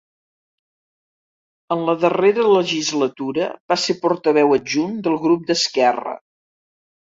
En la darrera legislatura va ser portaveu adjunt del grup d'Esquerra.